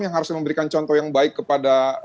yang harus memberikan contoh yang baik kepada